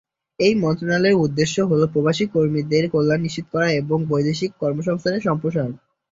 এই মন্ত্রণালয়ের উদ্দেশ্য হলো প্রবাসী কর্মীদের কল্যাণ নিশ্চিত করা এবং বৈদেশিক কর্মসংস্থানের সম্প্রসারণ।